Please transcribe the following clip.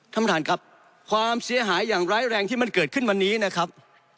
ท่านประธานครับความเสียหายอย่างร้ายแรงที่มันเกิดขึ้นวันนี้นะครับ